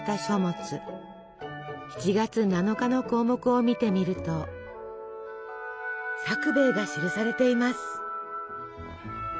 ７月７日の項目を見てみるとさくべいが記されています！